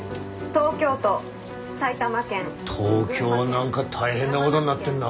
東京何か大変なごどになってんな。